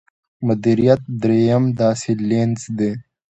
مديريت درېيم داسې لينز دی.